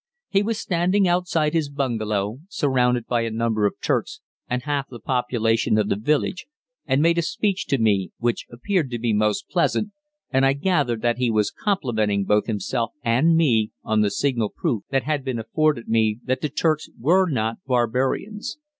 He was standing outside his bungalow surrounded by a number of Turks and half the population of the village, and made a speech to me, which appeared to be most pleasant, and I gathered that he was complimenting both himself and me on the signal proof that had been afforded me that the Turks were not barbarians.